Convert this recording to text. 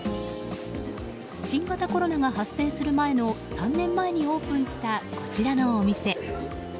新型コロナが発生する前の３年前にオープンしたこちらのお店。